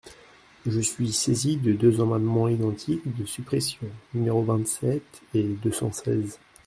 Je suis saisie de deux amendements identiques de suppression, numéros vingt-sept et deux cent seize.